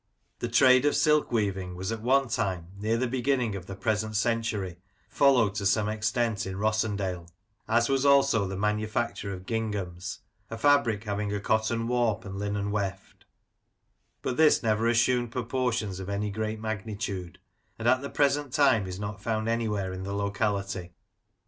The trade of silk weaving was at one time, near the beginning of the present century, followed to some extent in Rossendale ; as was also the manufacture of ginghams (a fabric having a cotton warp, and linen weft), but this never assumed proportions of any great magnitude, and at the present time is not found anywhere in the locality.